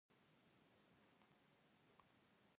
د ښکلو ګیلاسونو هیواد افغانستان.